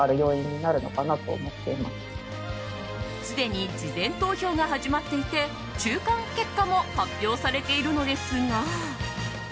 すでに事前投票が始まっていて中間結果も